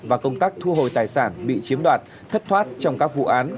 và công tác thu hồi tài sản bị chiếm đoạt thất thoát trong các vụ án